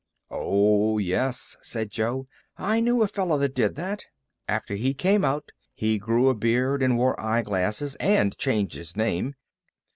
"Oh yes," said Jo. "I knew a fellow that did that. After he came out he grew a beard, and wore eyeglasses, and changed his name.